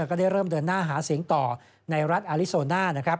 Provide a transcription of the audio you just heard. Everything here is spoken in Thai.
ก็ได้เริ่มเดินหน้าหาเสียงต่อในรัฐอาลิโซน่านะครับ